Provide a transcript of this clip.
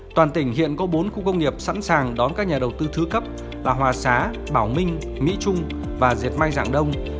toàn tỉnh hiện có bốn khu công nghiệp sẵn sàng đón các nhà đầu tư thứ cấp là hòa sá bảo minh mỹ trung và dệt may sạng đông